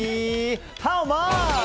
ハウマッチ。